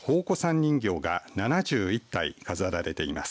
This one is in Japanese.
人形が７１体飾られています。